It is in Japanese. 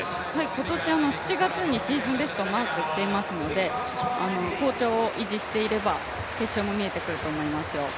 今年７月にシーズンベストをマークしていますので好調を維持していれば決勝も見えてくると思いますよ。